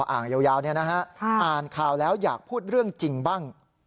อ่างยาวอ่านข่าวแล้วอยากพูดเรื่องจริงบ้าง